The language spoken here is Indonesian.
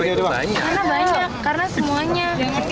karena banyak karena semuanya